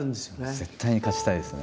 絶対に勝ちたいですね。